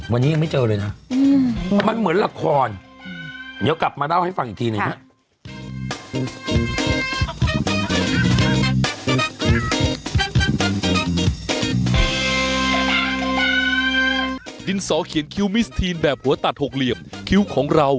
วันนี้ยังไม่เจอเลยนะมันเหมือนละครเดี๋ยวกลับมาเล่าให้ฟังอีกทีหนึ่งฮะ